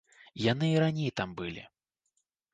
Яны і раней там былі.